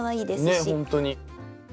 ねっほんとに。